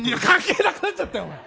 関係なくなっちゃったよ。